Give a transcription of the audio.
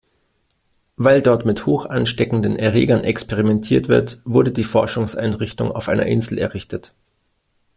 Weil dort mit hochansteckenden Erregern experimentiert wird, wurde die Forschungseinrichtung auf einer Insel errichtet.